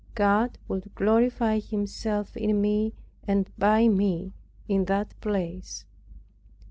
God would glorify Himself in me and by me in that place.